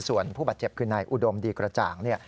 ส่วนผู้บาดเจ็บคือนายอุดมดีกระจ่างเนี่ย